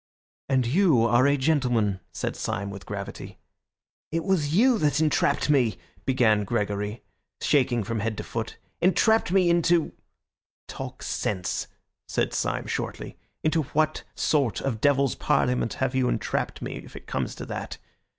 "And you are a gentleman," said Syme with gravity. "It was you that entrapped me," began Gregory, shaking from head to foot, "entrapped me into—" "Talk sense," said Syme shortly. "Into what sort of devils' parliament have you entrapped me, if it comes to that?